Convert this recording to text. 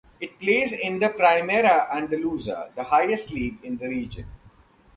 It plays in the Primera Andaluza, the highest league in the region.